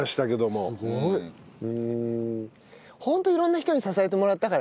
うーんホント色んな人に支えてもらったからね。